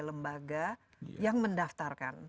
lembaga yang mendaftarkan